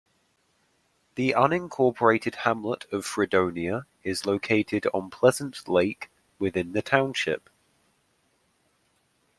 The unincorporated hamlet of Fredonia is located on Pleasant Lake within the township.